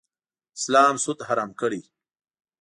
اسلام سود حرام کړی.